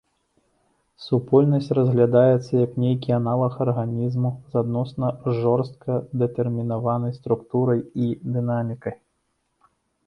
Супольнасць разглядаецца як нейкі аналаг арганізму с адносна жорстка дэтэрмінаванай структурай і дынамікай.